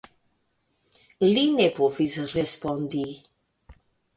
Li ne povis respondi.